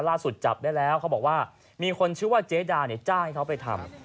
จับได้แล้วเขาบอกว่ามีคนชื่อว่าเจดาเนี่ยจ้างให้เขาไปทำ